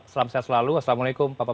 selam sehat selalu assalamu'alaikum pak pak